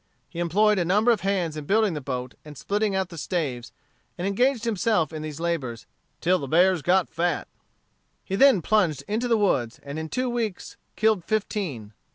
He employed a number of hands in building the boat and splitting out the staves, and engaged himself in these labors "till the bears got fat." He then plunged into the woods, and in two weeks killed fifteen.